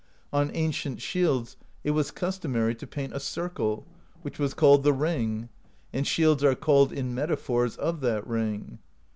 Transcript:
On ancient shields it THE POESY OF SKALDS 183 was customary to paint a circle, which was called the ' ring,' and shields are called in metaphors of that ring.